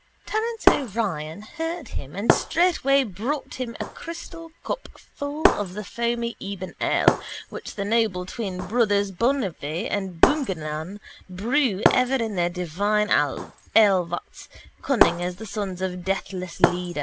Terence O'Ryan heard him and straightway brought him a crystal cup full of the foamy ebon ale which the noble twin brothers Bungiveagh and Bungardilaun brew ever in their divine alevats, cunning as the sons of deathless Leda.